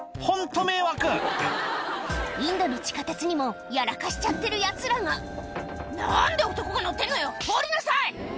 ホント迷惑インドの地下鉄にもやらかしちゃってるヤツらが「なんで男が乗ってんのよ降りなさい！」